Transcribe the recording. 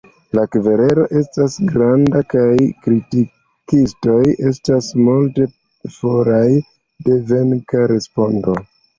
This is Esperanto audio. La kverelo estas granda kaj kritikistoj estas multe foraj de venka respondo.